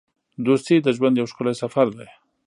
دوستي د ژوند یو ښکلی سفر دی.